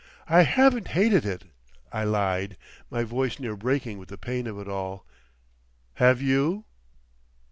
"I haven't hated it," I lied, my voice near breaking with the pain of it all. "Have you?"